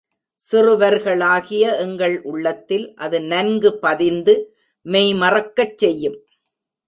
சிறுவர் களாகிய எங்கள் உள்ளத்தில் அது நன்கு பதிந்து மெய் மறக்கச் செய்யும்.